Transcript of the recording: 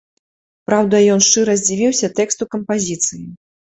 Праўда, ён шчыра здзівіўся тэксту кампазіцыі.